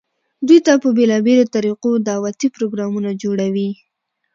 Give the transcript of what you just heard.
دوي ته په بيلابيلو طريقودعوتي پروګرامونه جوړووي،